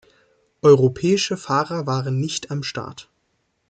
Europäische Fahrer waren nicht am Start.